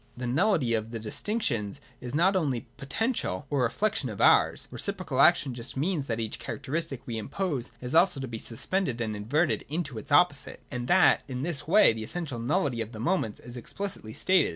The nullity of the distinctions is not only po tential, or a reflection of ours (§ 155). Reciprocal action just means that each characteristic we impose is also to be suspended and inverted into its opposite, and that in this way the essential nullity of the ' moments ' is explicitly stated.